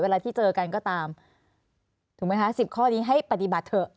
เวลาที่เจอกันก็ตามถูกไหมคะ๑๐ข้อนี้ให้ปฏิบัติเถอะ